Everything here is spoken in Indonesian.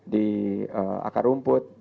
di akar rumput